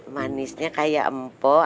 manisnya kayak empok